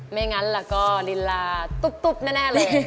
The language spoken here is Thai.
ไม่งั้นแล้วก็ลีลาตุ๊บแน่เลย